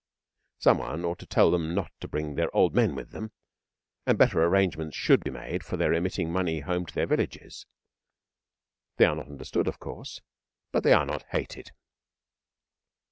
Some one ought to tell them not to bring their old men with them, and better arrangements should be made for their remitting money home to their villages. They are not understood, of course; but they are not hated.